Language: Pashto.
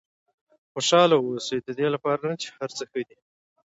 خوشاله واوسئ ددې لپاره نه چې هر څه ښه دي.